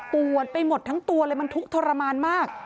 ปวดไปหมดทั้งตัวเลยมันทุกข์ทรมานมาก